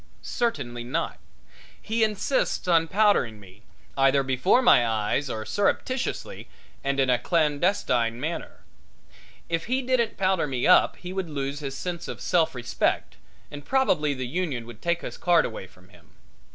Certainly not. He insists on powdering me, either before my eyes or surreptitiously and in a clandestine manner. If he didn't powder me up he would lose his sense of self respect, and probably the union would take his card away from him.